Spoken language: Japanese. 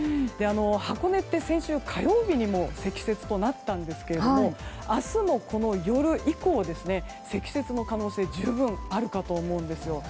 箱根って先週火曜日にも積雪となったんですけれども明日も、この夜以降積雪の可能性十分あるかと思うんですよ。